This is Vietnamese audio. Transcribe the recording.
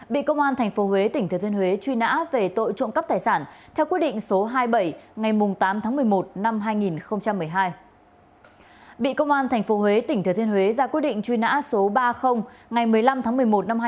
bị công an thành phố huế tỉnh thừa thiên huế ra quy định truy nã số ba mươi ngày một mươi năm tháng một mươi một năm hai nghìn một mươi sáu